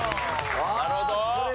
なるほど。